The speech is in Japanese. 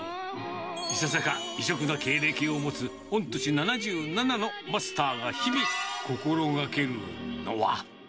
いささか異色の経歴を持つ、御年７７のマスターが日々、心がけるのは。